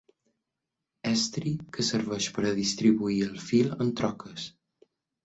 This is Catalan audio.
Estri que serveix per a distribuir el fil en troques.